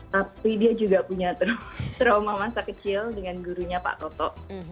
tapi dia juga punya trauma masa kecil dengan gurunya pak toto